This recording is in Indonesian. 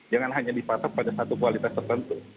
jangan hanya dipatok pada satu kualitas tertentu